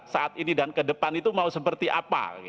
saat ini dan ke depan itu mau seperti apa